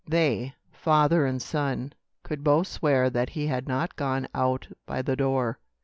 They, father and son, could both swear that he had not gone out by the door.